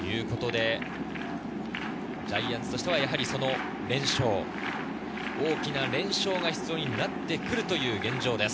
ジャイアンツとしては大きな連勝が必要になってくるという現状です。